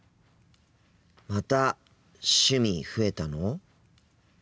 また趣味増えたの！？